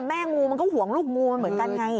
แต่แม่งูมันก็ห่วงลูกงูเหมือนกันไง